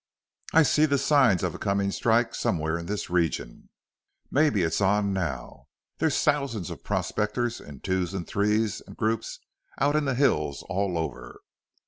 I see the signs of a comin' strike somewhere in this region. Mebbe it's on now. There's thousands of prospectors in twos an' threes an' groups, out in the hills all over.